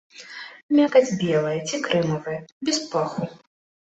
Мякаць белая ці крэмавая, без паху.